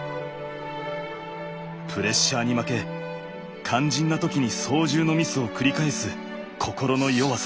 プレッシャーに負け肝心な時に操縦のミスを繰り返す心の弱さ。